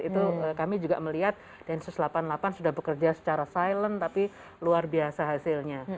itu kami juga melihat densus delapan puluh delapan sudah bekerja secara silent tapi luar biasa hasilnya